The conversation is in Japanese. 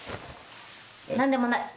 何でもない。